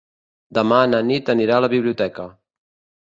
Demà na Nit anirà a la biblioteca.